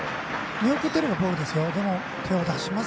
見送っていればボールです。